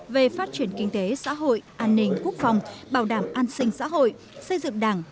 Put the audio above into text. về phát triển kinh tế xã hội an ninh quốc phòng bảo đảm an sinh xã hội xây dựng đảng